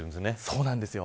そうなんですよ。